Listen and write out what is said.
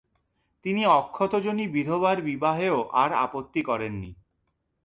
তিনি অক্ষতযোনি বিধবার বিবাহেও আর আপত্তি করেননি।